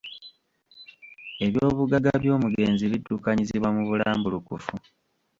Ebyobugagga by’omugenzi biddukanyizibwa mu bulambulukufu.